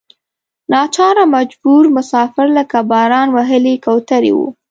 ناچاره مجبور مسافر لکه باران وهلې کوترې وو.